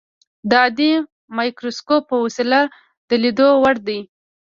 د عادي مایکروسکوپ په وسیله د لیدلو وړ دي.